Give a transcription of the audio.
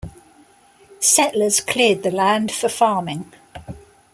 Settlers cleared the land for farming.